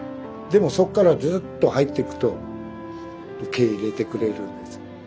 でもそこからずっと入っていくと受け入れてくれるんです。